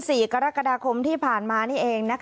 ๔กรกฎาคมที่ผ่านมานี่เอง